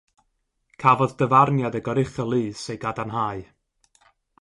Cafodd dyfarniad y Goruchel Lys ei gadarnhau.